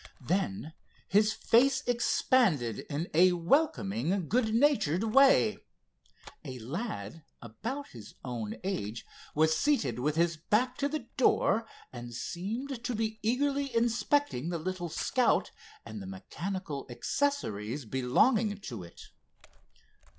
Then his face expanded in a welcoming good natured way. A lad about his own age was seated with his back to the door and seemed to be eagerly inspecting the little Scout and the mechanical accessories belonging to it.